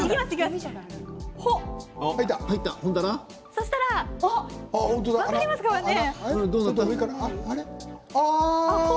そうしたら、分かりますかね。